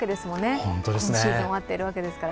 今シーズン終わっているわけですから。